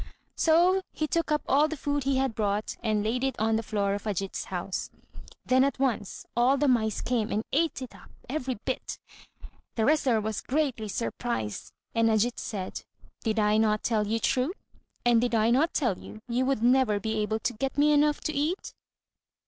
So he took up all the food he had brought, and laid it on the floor of Ajít's house. Then at once all the mice came and ate it up every bit. The wrestler was greatly surprised; and Ajít said, "Did I not tell you true? and did I not tell you, you would never be able to get me enough to eat?"